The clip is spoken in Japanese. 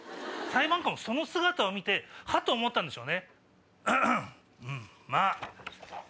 裁判官もその姿を見てハッと思ったんでしょうね。